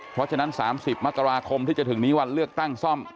เพราะฉะนั้น๓๐มกราคมที่จะถึงนี้วันเลือกตั้งซ่อม